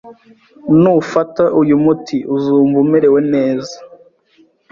Nufata uyu muti, uzumva umerewe neza